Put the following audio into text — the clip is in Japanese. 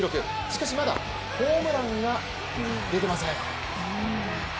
しかしまだ、ホームランが出てません。